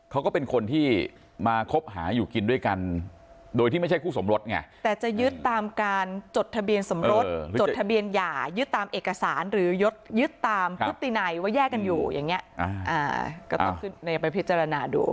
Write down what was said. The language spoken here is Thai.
ตามพฤตินัยว่าแยกกันอยู่อย่างเนี้ยอ่าก็ต้องขึ้นไปพิจารณาดู